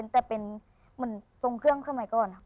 แต่เป็นเหมือนส่งเครื่องเข้ามาก่อนครับ